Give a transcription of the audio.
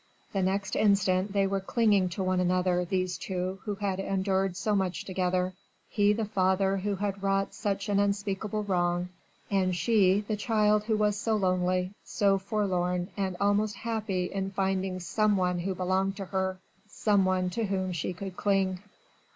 The next instant they were clinging to one another, these two, who had endured so much together he the father who had wrought such an unspeakable wrong, and she the child who was so lonely, so forlorn and almost happy in finding some one who belonged to her, some one to whom she could cling.